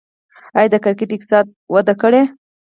آیا د کرکټ اقتصاد وده کړې؟